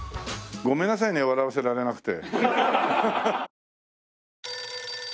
ごめんなさいね笑わせられなくて。